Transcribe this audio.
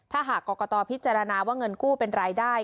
ถ้าหากกรกตพิจารณาว่าเงินกู้เป็นรายได้